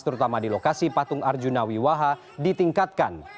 terutama di lokasi patung arjuna wiwaha ditingkatkan